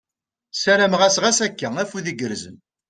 Ssarameɣ-as ɣas akka, afud igerrzen !